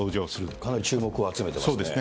かなり注目を集めていますね。